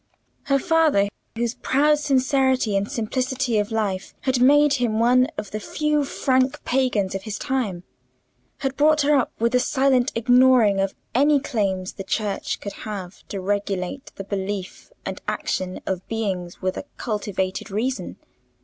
Her father, whose proud sincerity and simplicity of life had made him one of the few frank pagans of his time, had brought her up with a silent ignoring of any claims the Church could have to regulate the belief and action of beings with a cultivated reason.